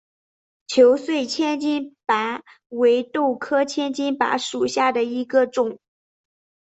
球穗千斤拔为豆科千斤拔属下的一个种。